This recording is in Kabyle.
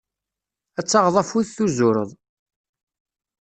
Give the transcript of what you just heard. Ad taɣeḍ afud tuẓureḍ.